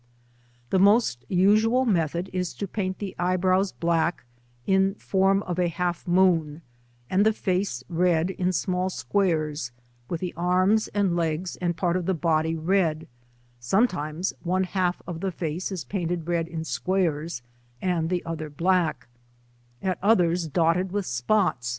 The most 7T usual method is to paint the eyebrows black, in form of a half moon, and the face red ia small squares, with the arms' and legs and part of ths body red ; sometimes one half of the face is painted red in squares, and the other black; at others, dotted witaspots.